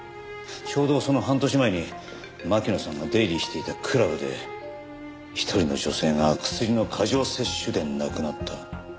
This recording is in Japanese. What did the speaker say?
ちょうどその半年前に巻乃さんが出入りしていたクラブで一人の女性がクスリの過剰摂取で亡くなった。